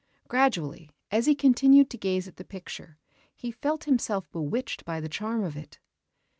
Gradually, as he continued to gaze at the picture, he felt himself bewitched by the charm of it.